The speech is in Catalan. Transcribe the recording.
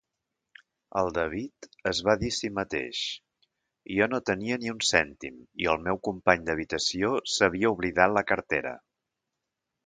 El David es va dir a si mateix: "Jo no tenia ni un cèntim i el meu company d'habitació s'havia oblidat la cartera".